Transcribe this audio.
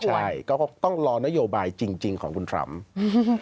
ใช่ก็ต้องรอนโยบายจริงจริงของคุณทรัมป์อืม